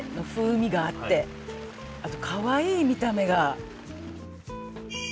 あとかわいい見た目が。